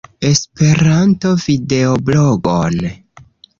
Esperanto-videoblogon